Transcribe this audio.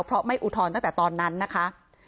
เพราะไม่อุทธรณ์ตั้งแต่ตอนนั้นนะคะ